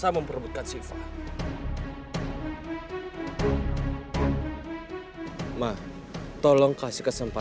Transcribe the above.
aku sudah habis kehilangan bella